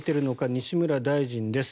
西村大臣です。